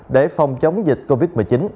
để phòng chống dịch covid một mươi chín